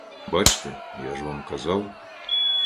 Бачте, я ж вам казав!